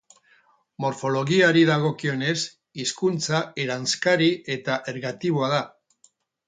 Morfologiari dagokionez, hizkuntza eranskari eta ergatiboa da.